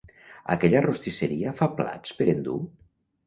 Aquella rostisseria fa plats per endur?